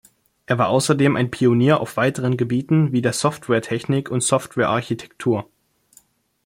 Er war außerdem ein Pionier auf weiteren Gebieten wie der Softwaretechnik und Softwarearchitektur.